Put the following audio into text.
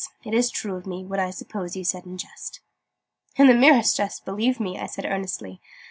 It's true of me, what I suppose you said in jest. "In the merest jest, believe me!" I said earnestly.